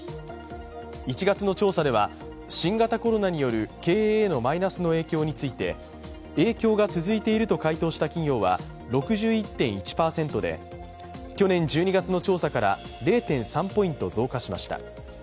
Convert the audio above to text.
１月の調査では新型コロナによる経営へのマイナスの影響について影響が続いていると回答した企業は６１．１％で去年１２月の調査から、０．３ポイント増加しました。